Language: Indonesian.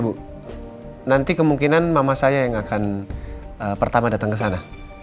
bu nanti kemungkinan mama saya yang akan pertama datang ke sana